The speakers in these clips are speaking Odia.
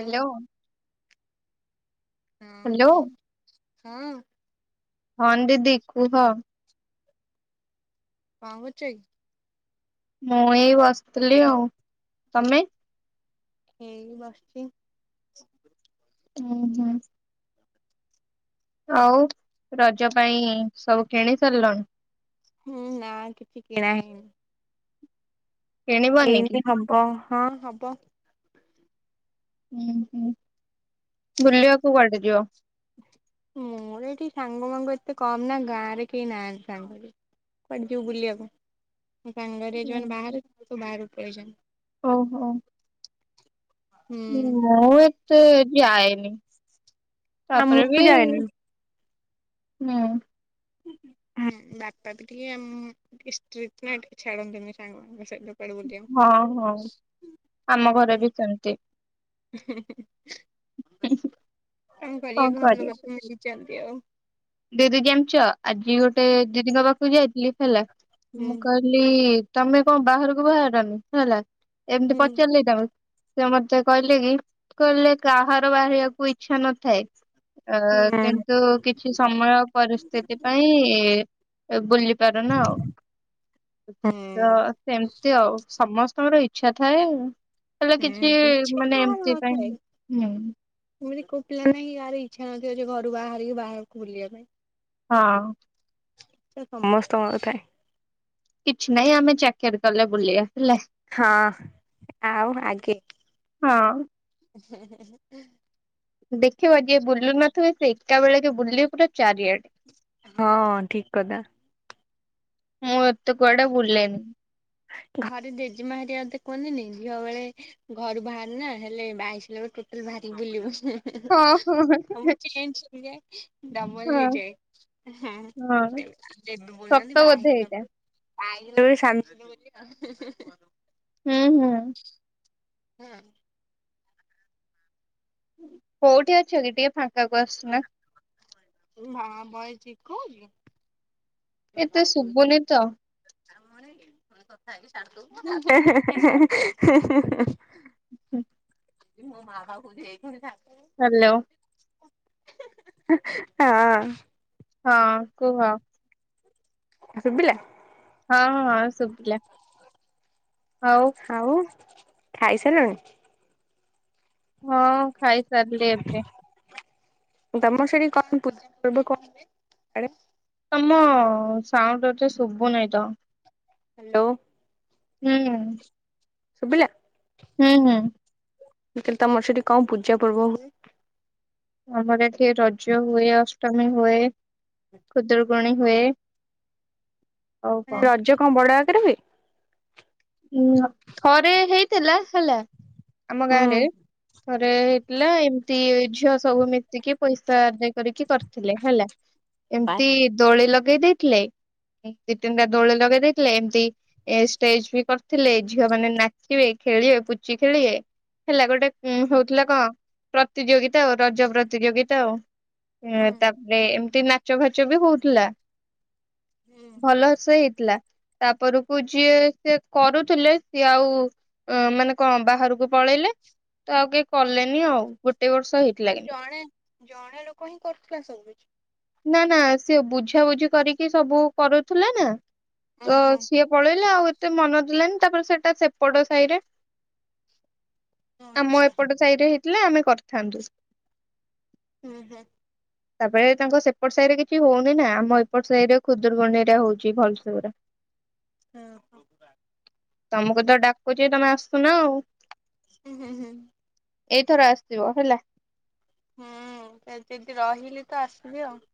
ହାଲୋ। ହଁ ହ୍ୟାଲୋ କୁହ ହଁ। ହଁ ଦିଦି କୁହ। କଣ କରୁଛ କି? ମୁଁ ଏଇ ବସିଥିଲି ଆଉ ତମେ? ଏଇ ବସିଛି। ଉଁ ହୁଁ। ଆଉ ରଜ ପାଇଁ ସବୁ କିଣି ସାରିଲଣି? ହୁଁ ନା କିଛି କିଣା ହେଇନି। କିଣିବନି କି? ହେଇନି ହବ ହଁ ହବ। ଉଁ ହୁଁ ବୁଲିବାକୁ କୁଆଡ଼େ ଯିବ? ହୁଁ ଏଠି ସାଙ୍ଗ ମାଙ୍ଗ ଏତେ କମ ନା ଗାଁରେ କେହି ନାହାନ୍ତି ସାଙ୍ଗ ଯେ। କୁଆଡ଼େ ଯିବୁ ବୁଲିବାକୁ ସାଙ୍ଗରେ ଯୋଉମାନେ ବାହାର [unintelligible] ସେମାନେ ସବୁ ବାହାରକୁ ପଳେଇଛନ୍ତି। ଓହୋ। [unintelligible] ମୁଁ ଏତେ ଯାଏନି ତାପରେ ବି ହୁଁ। ହୁଁ ବାପା ବି ଟିକେ ଆ ମୁଁ ଟିକେ ଷ୍ଟ୍ରିଟ୍ ନା ଟିକେ ଛାଡ଼ନ୍ତିନି ସାଙ୍ଗ ମାନଙ୍କ ସହିତ। ହଁ ହଁ ଆମ ଘରେ ବି ସେମିତି କଣ କରିବା କୁହନ୍ତୁ ବାପା ଏମିତି। ଜନ୍ତି ଆଉ। ଦିଦି ଜାଣିଛ ଆଜି ଗୋଟେ ଦିଦିଙ୍କ ପାଖକୁ ଯାଇଥିଲି ହେଲା ମୁଁ କହିଲି ଲି ତମେ କଣ ବାହାରକୁ ବାହାରନି ହେଲା ଏମିତି ପଚାରିଲି ତା ସେ ମତେ କହିଲେ କି କହିଲେ କାହାର ବାହାରିବାକୁ ଇଚ୍ଛା ନଥାଏ ଅ କିନ୍ତୁ କିଛି ସମୟ ପରିସ୍ଥିତି ପାଇଁ ଏ ଏ ବୁଲି ପାରୁନୁ ଆଉ। ତ ସେମିତି ଆଉ ସମସ୍ତଙ୍କର ଇଚ୍ଛା ଥାଏ। ହେଲେ କିଛି ମାନେ ଏମତି ପାଇଁ ହୁଁ ଖୁରି କହୁଥିଲେ ନାଁ ୟାର ଇଛାନଥିବ ଯେ ଘରୁ ବାହାରିକି ବାହାରକୁ ବୁଲିବା ପାଇଁ ହଁ। ସମସ୍ତଙ୍କର ଥାଏ। କିଛି ନାଇଁ ଆମେ ଚାକେରି କଲେ ବୁଲିବା ହେଲା? ହଁ ଆଉ ଆଗେ ହଁ। ଦେଖିବ ଯିଏ ବୁଲୁ ନଥିବେ ସେ ଏକା ବେଳେକେ ବୁଲିବେ ପୁରା ଚାରିଆଡେ। ହଁ ଠିକ୍ କଥା। ମୁଁ ଏତେ କୁଆଡେ ବୁଲେନି। ଘରେ ଜେଜେମା ହାରିକା ମତେ କୁହନ୍ତିନି ଝିଅ ବେଳେ ଘରୁ ବାହାରେନା ହେଲେ ବାହାହେଇସାରିଲା ପରେ ଭାରି ବୁଲିବ ସେ ହଁ ହଁ। ହଉଚି ଏମିତି [unintelligible] ଡବଲ ହଁ ହଁ ହେଇଯାଏ ବେ ବୁଲୁନି ସତ ବାହା ବୋଧେ ହେଇ ସାଇଲା ଏଇଟା ପରେ ଆଇ [unintelligible] ହୁଁ ହୁଁ। ହୁଁ। କୋଉଠି ଅଛ କି? ଟିକେ ଫାଙ୍କାକୁ ଆସୁ ନା। ହଁ ଭଏସ୍ [unintelligible] ଉଛି ଏତେ ଶୁଭୁନି ତ। [unintelligible] [unintelligible] ହୁଁ। [unintelligible] ହାଲୋ। ହଁ। ହଁ କୁହ। ଶୁଭିଲା? ହଁ ହଁ ଶୁବିଲା ଆଉ ଆଉ ଖାଇସାରିଲଣି? ହଁ ଖାଇସାରିଲି ଏବେ। ତମ ସେଟି କଣ ପୂଜା ପର୍ବ କଣ ହୁଏ ଆଡେ ତମ ସାଉଣ୍ଡ ଏତେ ଶୁଭୁ ନାହିଁ ତ। ହାଲୋ। ହୁଁ। ସୁବିଲା? ହୁଁ ହୁଁ। ମୁଁ କହିଲି ତମର ସେଠି କଣ ପୂଜା ପର୍ବ ଆମର ଏଠି ରଜ ହୁଏ ଅଷ୍ଟମୀ ହୁଏ ଖୁଦୁରୁକୁଣୀ ହୁଏ। ଆଉ କଣ। ନାଇଁ ରଜ କଣ ବଡ ଆକାରରେ ହୁଏ? ନାଁ ଥରେ ହେଇଥିଲା ହେଲା, ଆମ ଗାଁ ହୁଁ ରେ ଥରେ ହେଇଥିଲା, ଏମତି ଝିଅ ସବୁ ମିଶି ଟିକେ ପଇସା ଆଦାୟ କରିକି କରିଥିଲେ ହେଲା, ଏମିତି ଦୋଳି ଲଗେଇ ଦେଇଥିଲେ, ଦି ତିନିଟା ଦୋଳି ଲଗେଇ ଦେଇଥିଲେ, ଏମିତି ଏ ଷ୍ଟେଜ ବି କରିଥିଲେ, ଝିଅ ମାନେ ନାଚିବେ, ଖେଳିବେ, ପୁଚି ଖେଳିବେ ହେଲା, ଗୋଟେ ହଉଥିଲା କଣ ପ୍ରତିଯୋଗିତା, ଆଉ ରଜ ପ୍ରତିଯୋଗିତା ଆଉ। ହୁଁ ତାପରେ ଏମତି ନାଚ ଫାଚ ବି ହଉଥିଲା। ଭଲସେ ହେଇଥିଲା, ତାପରକୁ ଯିଏ, ସେ କରୁଥିଲେ, ସିଏ ଆଉ ମାନେ କଣ ବାହାରକୁ ପଳେଇଲେ ତ ଆଉ କିଏ କଲେନି ନିଅ, ଗୋଟିଇ ବର୍ଷ ହେଇଥିଲା କିନ୍ତୁ। ଜଣେ ଲୋକ ହିଁ କରୁଥିଲା ସବୁକିଛି। ନା ନା ସିଏ ବୁଝାବୁଝି କରିକି ସବୁ କରୁଥିଲା ନା ତ ସିଏ ପଳେଇଲେ ଆଉ ଏତେ ମନ ଦେଲେନି ତାପରେ ସେଇଟା ସେପଟ ସାହି ରେ ଆମ ଏପଟ ସାଇ ରେ ହେଇଥିଲା ଆମେ କରିଥାନ୍ତୁ। ଉହୁଁ। ତାପରେ ତାଙ୍କ ସେ ଏପଟ ସା ଇରେ କିଛି ହଉନି ନା ଆମ ଏପଟ ସାଇ ରେ ଖୁଦୁରୁ କୁଣୀ ରେ ହଉଛି ଭଲ ସେ ପୁରା [unintelligible] ଆ ହଁ। ତମକୁ ତ ଡାକୁଚି ତମେ ଆସୁନ ଆଉ। ହୁଁ, ହୁଁ, ହୁଁ। ଏଇଥର ଆସିବ ହେଲା। ହିଁ ଏ ଯଦି ରହିଲି ତ ଆସିବି ଆଉ [unintelligible]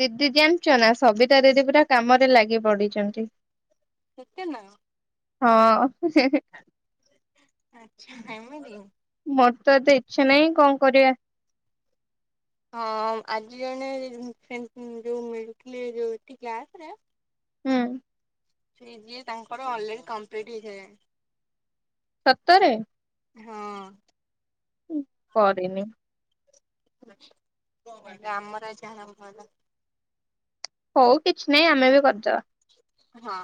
ଦିଦି ଜାଣିଛ ନା ସବିତା ଦିଦି ପୁରା କାମରେ ଲାଗି ପଡିଛନ୍ତି। ସତରେ ନା କଣ ହଁ, [unintelligible] ଆଛା ଏମିତି କି। ମୋର ତ ଏତେ ଇଚ୍ଛା ନାହିଁ କଣ କରିବା। ହଁ ଆଜି ଜଣେ ଫ୍ରେଣ୍ଡ ଯୋଉ ମିଳୁଥିଲେ ଯୋଉ ଏଠି କ୍ଲାସରେ ହୁଁ। ଥ୍ରୀ ଯିଏ ତାଙ୍କର ଅଲରେଡି କମ୍ପ୍ଲିଟ ହେଇ ସାରିଲାଣି। ସତରେ? ହଁ। କରିନି। ଆଛା ଆମର ଯାହା ହବା କଥା [unintelligible] ହଉ କିଛି ନାହିଁ ଆମେ ବି କରିଦବା। ହଁ-ଅ।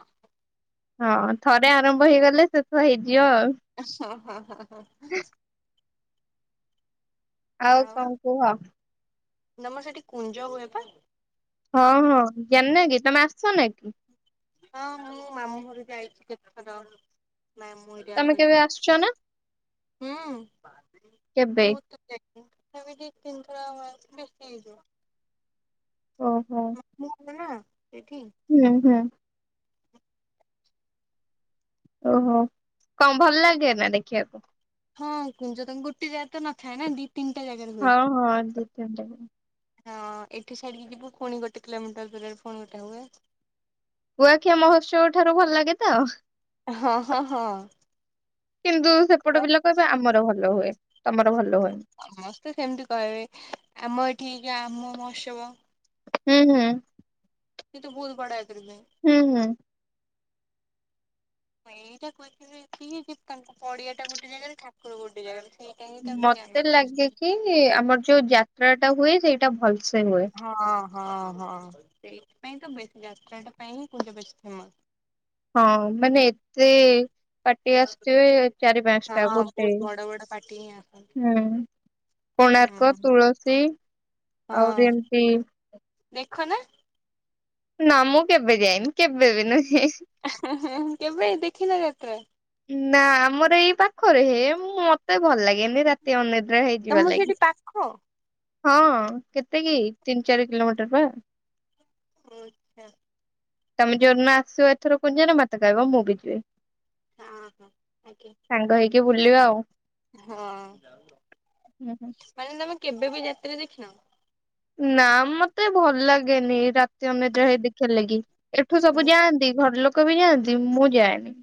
ହଁ, ଥରେ ଆରମ୍ଭ ହେଇଗଲେ ଶେଷ ହେଇଯିବ ଆଉ। ଆ ସ ହ ହ ହ [unintelligible] ଆଉ କଣ କୁହ? ନାଁମ ସେଠି କୁଞ ହୁଏ ପା। ହଁ, ହଁ ଜାଣିନା କି ତମେ ଆସ ନ କି? ହଁ ମୁଁ ମାମୁଁ ଘରୁ ଯାଇଛି କେତେଥର ମାମୁ ଯାହା ତମେ କେବେ ସହିତ ଆସୁଛ ନା? ହୁଁ କେବେ ମୁଁ ତ ଯାଇଥିବି [unintelligible] ସେ ବି ଦି ତିିନିଥର ବେଶୀ ହେଇଯିବ। ଓ ହୋ। [unintelligible] ହୁଁ, ହୁଁ। ଓହୋ କଣ ଭଲ ଲାଗେ ନା ଦେଖିବାକୁ? ହଁ କୁଞ୍ଜ ତମ ଗୋଟେ ଜାଗା ତ ନଥାଏ ନା ଦି ତିନିଟା ଜାଗାରେ ହୁଏ। ହଁ ହଁ ଦି ତିନିଟା ହଁ ଏଠି ସାଡିକି ଯିବୁ ପୁଣି ଗୋଟେ କିଲୋମିଟର ଦୂରରେ ପୁଣି ଗୋଟେ ହୁଏ। କୁଆଖିଆ ମହୋତ୍ସବ ଠାରୁ ଭଲ ଲାଗେ ତ!? ହଁ ହଁ ହଁ। କିନ୍ତୁ ସେପଟ ପିଲା କହିବେ ଆମର ଭଲ ହୁଏ ତମର ଭଲ ହୁଏନି। ସମସ୍ତେ ସେମିତି କହିବେ ଆମ ଏଠିଗ୍ରାମ ମହୋତ୍ସବ। ହୁଁ- ହୁଁ। କିନ୍ତୁ ବହୁତବଡ ଆକାରରେ ହୁଏ। ହୁଁ ହୁଁ। ମୁଁ ଏଇଟା କହିଥିଲି ଏତିକି ଯେ ତାଙ୍କ ପଡିଆ ଟା ଗୋଟେ ଜାଗାରେ ଠାକୁର ଗୋଟେ ଜାଗାରେ ସିଏ। ମତେ ଲାଗେ କି ଆମର ଯୋଉ ଯାତ୍ରା ଟା ହୁଏ ସେଇଟା ଭଲସେ ହୁଏ। ହଁ ହଁ ହଁ ସେଇଥିପାଇଁ ତ ବେଶୀ ଯାତ୍ରାଟା ପାଇଁ ହିଁ କୁଞ୍ଜ ବେଶୀ ଫେମସ୍। ହଁ ମାନେ ଏତେ ପାଟି ଆସୁଥିବେ ଚାରି ପାଞ୍ଚଟା ଗୋଟେ [inaudible] ହୁଁ କୋଣାର୍କ, ତୁଳସୀ। ଆହୁରି ଏମିତି। ଦେଖ ନାହିଁ। ନା ମୁଁ କେବେ ଯାାଇନି କେବେ ବି ନୁହେଁ। କେବେ ବି ଦେଖିନ ଯାତ୍ରା। ନା ଆମର ଏଇ ପାଖରେ ହେ ମତେ ଭଲ ଲାଗେନି ରାତି। [unintelligible] ଅନିଦ୍ରା ହେଇଯିବ ଲାଗି। ହଁ ହଁ କେତେ କି ତିନି ଚାରି କିଲୋମିଟର ପା। ମୋ ଇଛା। ତମେ ଯୋଉଁ ଦିନଆସିବ ଏଥର ପୂଜାରେ ମତେ କହିବ ମୁଁ ବି ଯିବି। ହଁ ହଁ ଆଜ୍ଞା। ସାଙ୍ଗ ହେଇକି ବୁଲିବା ଆଉ। ହଁ ମାନେ ତମେ କେବେ ବି ଯାତ୍ରଦେଖିନ? ନା ମତେ ଭଲ ଲାଗେନି ରାତି ଅନିଦ୍ରା ହେଇ ଦେଖିବା ଲାଗି। ଏଠୁ ସବୁ ଯାଆନ୍ତି ଘର ଲୋକ ବି ଯାଆନ୍ତି ମୁଁ ଯାଏନି।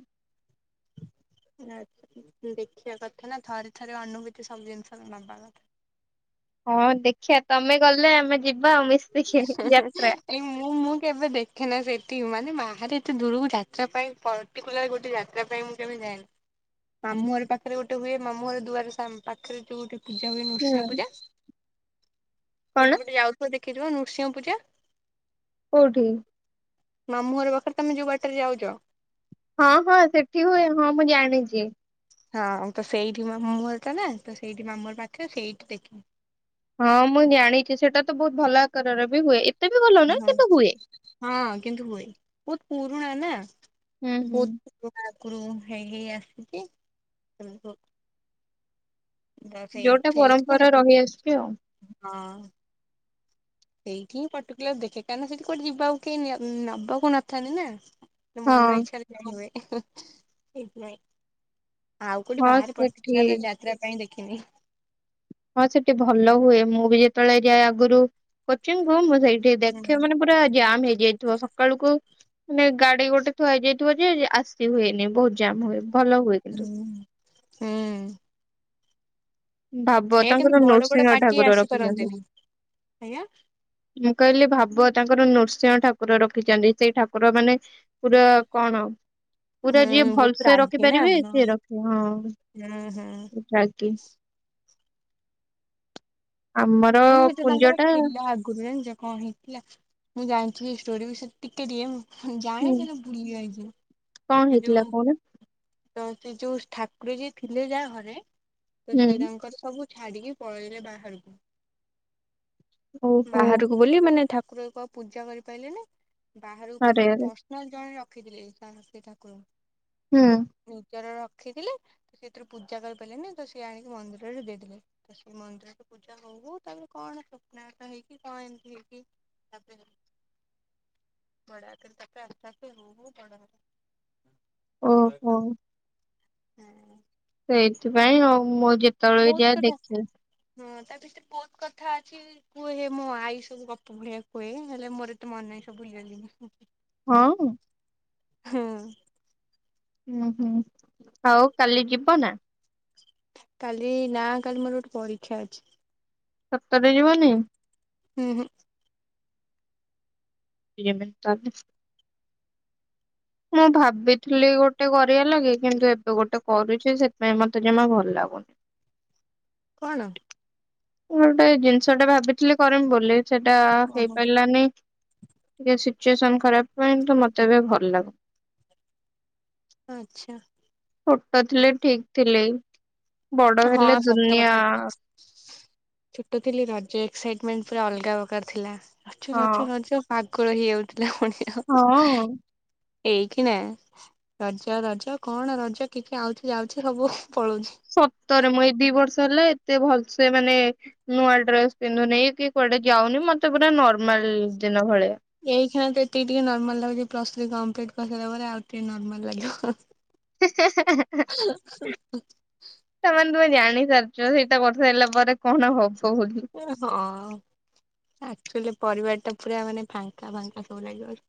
ଆଛା ଦେଖିବା କଥା ନା ଥରେ ଥରେ ଅନୁଭୂତି ସବୁ ଜିନିଷସରେନବା କଥା। ହଁ ଦେଖିବା ତମେ ଗଲେ ଆମେ ଯିବା ଆଉ ମିଶିକି। [inaudible] ଯାତ୍ରା। ଏଇ ମୁଁ ମୁଁ କେବେ ଦେଖେନା ସେଠି ମାନେ ବାହାରେ ଏତେ ଦୂରକୁ ଯାତ୍ରା ପାଇଁ। ପଟିକୁଲାର ଗୋଟେ ଯାତ୍ରା ପାଇଁ ମୁଁ କେବେ ଯାଏନି। ମାମୁଁ ଘର ପାଖରେ ଗୋଟେ ହୁଏ ମାମୁଁ ଘର ଦୁଆରେ ସାମ୍ନା ପାଖରେ ଯୋଉଠି। ପୂଜା ହୁଏ ନୃସିଂହ ହୁଁ ପୂଜା ତ କଣ ସେପଟେ ଯାଉଥିବ ଦେଖିଥିବ ନୃସିଂହ ପୂଜା। କୋଉଠିକି? ମାମୁଁ ଘର ପାଖରେ ତମେ ଯୋଉ ବାଟରେ ଯାଉଛ। ହଁ ହଁ ସେଠି ହୁଏ ହଁ ମୁଁ ଜାଣିଛି। ହଁ ତ ସେଇଠି ମାମୁଁଘର ଟା ନା ତ ସେଇଠି ମାମୁର ପାଖରେ ସେଇଠି ଦେଖିବ। ହଁ ମୁଁ ଜାଣିଚି ସେଏଟା ତ ବହୁତ ଭଲ ଆକାରରେ ବି ହୁଏ। ଏତେ ବି ଭଲ ନୁହେଁ ହଁ କିନ୍ତୁ ହୁଏ। ହଁ କିନ୍ତୁ ହୁଏ ବହୁତ ପୁରୁଣା ନା ହୁଁ ହୁଁ। ବହୁତ ବହୁତ ଆଗରୁ ହେଇ ହେଇ ଆସିକି [unintelligible] ଯୋଉଟା ପରମ୍ପରା ରହିଆସଛି ଆଉ। ହଁ। ଏଇଠି ହିଁ ପର୍ଟିକୁଲାର ଦେଖେ କାହିଁକି ସେଠି କୋଟ ଯିବାକୁ କେ ନିଏ ନବାକୁ ନଥାନ୍ତି ନା। ତୋ ମନ ହଁ। ଇଚ୍ଛା ରେ ଜା ସବୁ ହୁଏ ସେଇଥିପାଇଁ। ଆଉ କୋଉଠି ହଁ ବାହାରେ ସେଠି ପଥିଲାଲୋ ଯାତ୍ରା କାଇଁ ଦେଖିନି। ହଁ ସେଠି ଭଲ ହୁଏ ମୁଁ ବି ଯେତେବେଳେ ଯାଏ ଆଗରୁ କୋଚିଙ୍ଗ କ ମୁଁ ସେଇଠି ଦେଖେ ମାନେ ପୁରା ଜାମ୍ ହେଇଯାଇଥିବ ସକାଳୁକୁ ମାନେ ଗାଡି ଗୋଟେ ଥଆଇଯାଇଥିବ ଯେ ଆସି ହୁଏନି ବହୁତ ଜାମ ହୁଏ ଭଲ ହୁଏ। କିନ୍ତୁ। ହୁଁ। ଭାବ ତାଙ୍କର ନୃସିଂହ ଠାକୁର ରଖିଚନ୍ତି। ମୁଁ କହିଲି ଭାବ ତାଙ୍କର ନୃସିଂହ ଠାକୁର ରଖିଚନ୍ତି ସେଇ ଠାକୁର ମାନେ ଠାକୁର କଣ? ପୁରା ଯିଏ ଭଲସେ ରଖିପାରିବେ ସିଏ ରଖିବ ହଁ ଟା କି। ଆମର ହେଲେ ସେ କୁଞ୍ଜ ତାଙ୍କର ଟା ଥିଲା ଆଗରୁ ଜଣିଛ କଣ ହିଁ? ଥିଲା ମୁଁ ଜାଣିଚି ଏ ଷ୍ଟୋରି ବିଷୟରେ ଟିକେ ଟିଏ ମୁଁ ହୁଁ ଜାଣିଚି ହେଲେ ଭୁଲିଯାଇଚି କଣ ଏ ହେଇଥିଲା ଯୋଉ କହୁନ ତ ସେ ଯୋଉ ଠାକୁର ଯିଏ ଥିଲେ ଯାହା ଘରେ ତ ସିଏ ହୁଁ ତାଙ୍କର ସବୁ ଛାଡିକି ପଳେଇଲେ ବାହାରକୁ। ଓହୋ ବାହାରକୁ ବୋଲି ମାନେ ଠାକୁରଙ୍କ ପୂଜା କରି ପାଇଲେନି ବାହାରକୁ ଆରେ ପଲୋଇଲେ ଆରେ ପ ହଁ ଜଣେ ରଖିଥିଲେ ସାହସ୍ରୀ ଠାକୁର। ହୁଁ। ନିଜର ରଖିଥିଲେ ତ ସେଥିରୁ ପୂଜା କରିପାରିଲନି ତ ସେ ଆଣିକି ମନ୍ଦିରରେ ଦେଇ ଦେଲେ। ସେଇ ମନ୍ଦିରରେ ପୂଜା ହଉ ହଉ ତାଙ୍କୁ କଣ ସ୍ୱପ୍ନା ଫୋପ୍ନା ହେଇକି କଣ ଏମିତି ହେଇକି ତାପରେ ବଢା [unintelligible] ବଡ ଓହୋ ହେଇକିନା [inaudible] ସେଇଥିପାଇଁ ଆଉ ମୁଁ ଯେ ବହୁତ କଥା ହଁ ତା ଭିତରେ ବହୁତ କଥା ଅଛି। କୁହେ ମୋ ଆଈ ସବୁ ଗପ ଭଳିଆ କୁହେ ହେଲେ ମୋର ଏତେ ମନ ନାହି ସବୁ ଭୁଲିଗଲିଣି। ହଁ। ହୁଁ। ହୁଁ ହୁଁ ଆଉ କାଲି ଯିବ ନା? କାଲି ନା କାଲି ମୋର ଗୋଟେ ପରୀକ୍ଷା ଅଛି। ସତରେ ଯିବନି? ହୁଁ ହୁଁ। [unintelligible] ମୁଁ ଭାବିଥିଲି ଗୋଟେ କରିବା ଲାଗି କିନ୍ତୁ ଏବେ ଗୋଟେ କରୁଚି ସେଥିପାଇଁ ମତେ ଜମା ଭଲ ଲାଗୁନି। କଣ? ମୁଁ ଗୋଟେ ଜିନିଷ ଟା ଭାବିଥିଲି କରିମି ବୋଲି ସେଇଟା ହେଇପାରିଲାନି। ଟିକେ ସିଚୁଏସନ ଖରାପ ପାଇଁ ମତେ ଏବେ ଲାଗୁ ଆଚ୍ଛା। ଛୋଟ ଥିଲେ ଠିକ୍ ଥିଲେ ବଡ ହେଲେ ଦୁନିଆ ଛୋଟ ଥିଲି ରଜ ଏକ୍ସାଇଟମେଣ୍ଟ ପୁରା ଅଲଗା ପ୍ରକାର ଥିଲା ରଜ ହଁ ରଜ ରଜ। ପାଗଳ ହେଇଯାଉଥିଲା ମଣିଷ। ହଁ। ଏଇକି ନା ରଜ ରଜ କଣ ରଜ କିଛି ଆଉଛି ଯାଉଛି ସବୁ ପଳଉଛି। ସତରେ ମୁଁ ଏଇ ଦି ବର୍ଷ ହେଲା ଏତେ ଭଲସେ ମାନେ ନୂଆ ଡ୍ରେସ୍ ପିନ୍ଧୁନି କି କୁଆଡେ ଯାଉନି ମତେ ପୁରା ନର୍ମାଲ ଦିନ ଭଳିଆ। ଏଇ ଖିନା ତ ଏତିକି ଟିକେ ନର୍ମାଲ୍ ଲାଗୁଛି ପ୍ଲସ ଥ୍ରୀ କମ୍ପ୍ଲିଟ୍ କରିସାରିଲା ପରେ ଆଉ ଟିକେ ନର୍ମାଲ୍ ଲାଗିବ। [inaudible] ତା ମାନେ ତମେ ଜାଣି ସାରିଛ ସେଇଟା ବର୍ଷା ହେଲା ପରେ କଣ ହବ ବୋଲି। ହଁ ଆକ୍ଚୁଆଲି ପରିବାର ଟା ପୁରା ମାନେ ଫାଙ୍କା ଫାଙ୍କା ସବୁ ଲାଗିବ।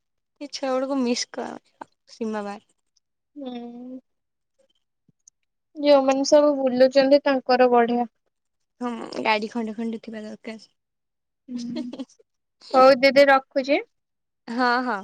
ଏଛୁଆ ଗୁଡାକୁ ମିସ୍ କର ସିମା ବାରକୁ। ହୁଁ। ଯୋଉମାନେ ସବୁ ବୁଲୁଛନ୍ତି ତାଙ୍କର ବଢିଆ। ହଁ ଗାଡି ଖଣ୍ଡେ ଖଣ୍ଡ ଥିବା ଦରକାର। ଦେଇ ରଖୁଛି ଦେ ହଁ ହଁ।